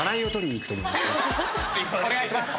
お願いします。